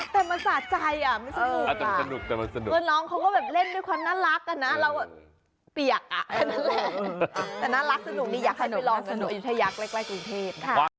แต่น่ารักสนุกนี่ยักษ์สนุกอยู่ในไทยักษ์ใกล้กรุงเทศ